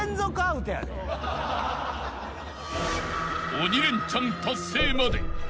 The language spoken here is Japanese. ［鬼レンチャン達成まで残り２曲］